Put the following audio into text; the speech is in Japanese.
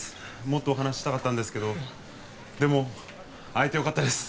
もっとお話ししたかったんですけどでも会えてよかったです